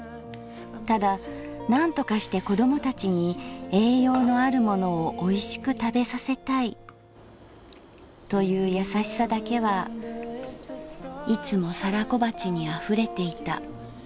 ただなんとかして子供たちに栄養のあるものをおいしく食べさせたいというやさしさだけはいつも皿小鉢に溢れていた」。